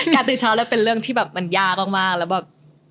ตื่นเช้าแล้วเป็นเรื่องที่แบบมันยากมากแล้วแบบ